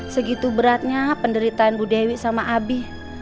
segitu beratnya penderitaan bu dewi sama abi